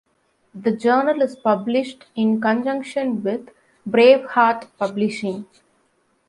The Journal is published in conjunction with Braveheart Publishing.